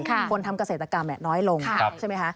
คนทำเกษตรกรรมน้อยลงใช่ไหมคะ